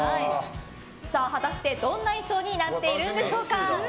果たしてどんな衣装になっているんでしょうか。